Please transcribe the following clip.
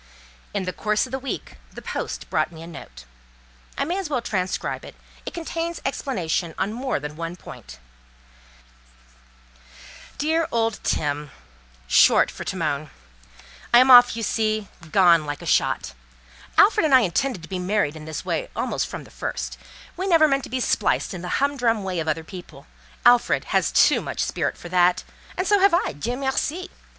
In the course of the week, the post brought me a note. I may as well transcribe it; it contains explanation on more than one point:— 'DEAR OLD TIM "(short for Timon),—" I am off you see—gone like a shot. Alfred and I intended to be married in this way almost from the first; we never meant to be spliced in the humdrum way of other people; Alfred has too much spirit for that, and so have I—Dieu merci!